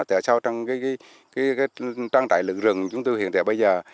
tại sao trong trang trại lượng rừng chúng tôi hiện tại bây giờ